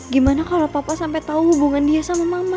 gimana kalau papa sampai tahu hubungan dia sama mama